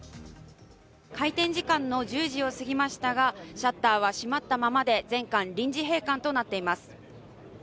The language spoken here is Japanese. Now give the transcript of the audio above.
開店時間の１０時を過ぎましたがシャッターは閉まったままで全館、臨時閉館となっています。